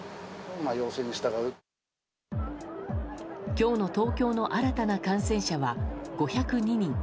今日の東京の新たな感染者は５０２人。